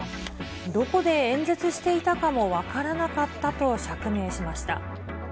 どこで演説していたかも分からなかったと釈明しました。